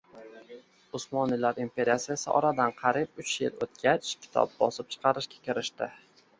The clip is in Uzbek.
Usmonlilar imperiyasi esa oradan qariiyb uch yuz yil o‘tgach, kitob bosib chiqarishga kirishdi.